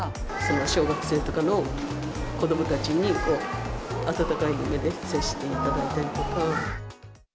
小学生とかの子どもたちに温かい目で接していただいたりとか。